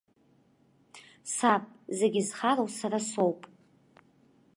Саб, зегьы зхароу сара соуп!